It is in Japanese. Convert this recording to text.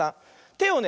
てをね